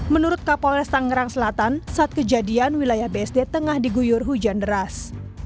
menurut kapolres tangerang selatan saat kejadian wilayah bsd tengah diguyur hujan deras